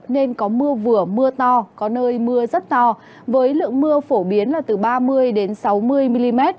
nên có mưa vừa mưa to có nơi mưa rất to với lượng mưa phổ biến là từ ba mươi sáu mươi mm